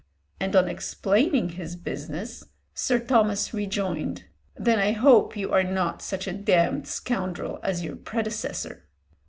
and on explaining his business, Sir Thomas rejoined, "Then I hope you are not such a damned scoundrel as your predecessor."